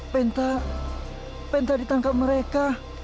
penta penta ditangkap mereka